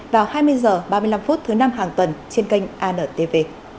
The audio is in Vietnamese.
vào hai mươi h ba mươi năm phút thứ năm hàng tuần trên kênh antv